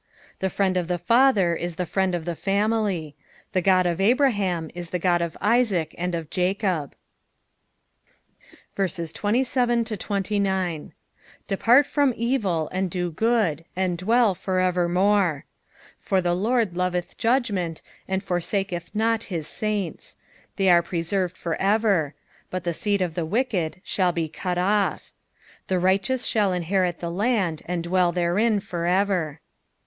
The friend of the father is the friend of the family. The God of Abraham is the Qod of Isaac and of Jacob. 27 Depart from evil, and do good ; and dwell for evermore, 28 For the Lord loveth judgment, and forsaketh not his saints ; they are preserved for ever : but the seed of the wicked shall be cut off. 2g The righteous shall inherit the land, and dwell therein for ever.